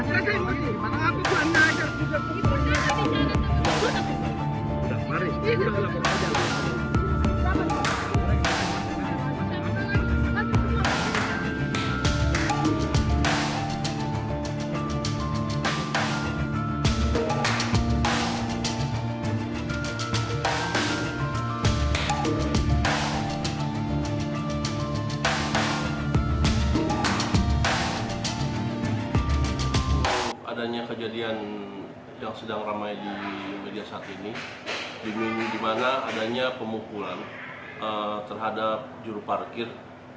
adanya kejadian yang sedang ramai di media saat ini dimana adanya pemukulan terhadap juru parkir